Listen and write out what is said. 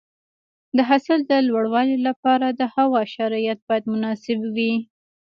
د حاصل د لوړوالي لپاره د هوا شرایط باید مناسب وي.